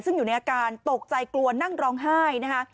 ซึ่งอยู่ในอาการตกใจกลัวนั่งร้องไห้นะคะ